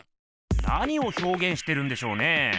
何をひょうげんしてるんでしょうね？